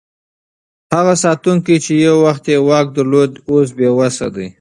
هغه ساتونکی چې یو وخت یې واک درلود، اوس بې وسه و.